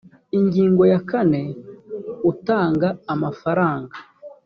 ingingo ya kane utanga amafaranga